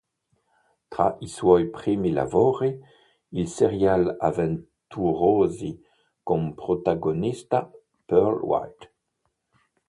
Tra i suoi primi lavori, i serial avventurosi con protagonista Pearl White.